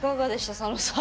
佐野さん。